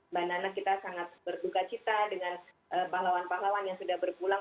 mbak nana kita sangat berduka cita dengan pahlawan pahlawan yang sudah berpulang